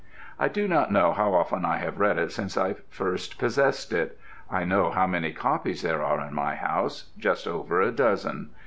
I do not know how often I have read it since I first possessed it. I know how many copies there are in my house just over a dozen.